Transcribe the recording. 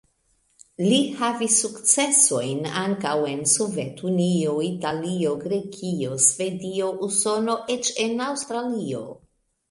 Li havis sukcesojn ankaŭ en Sovetunio, Italio, Grekio, Svedio, Usono, eĉ en Aŭstralio.